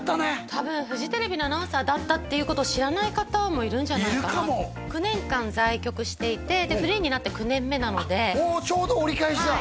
多分フジテレビのアナウンサーだったっていうことを知らない方もいるんじゃないかないるかも９年間在局していてフリーになって９年目なのでおおちょうど折り返しだ